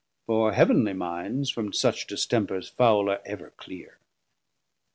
For heav'nly mindes from such distempers foule Are ever cleer.